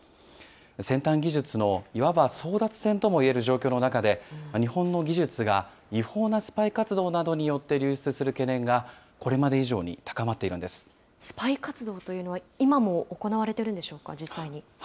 先端技術のいわば争奪戦ともいえる状況の中で、日本の技術が違法なスパイ活動などによって流出する懸念が、これまで以上に高まっスパイ活動というのは、今も行われているんでしょうか、実際に。